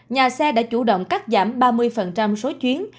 nhà xe đã chủ động cắt giảm ba mươi số chuyến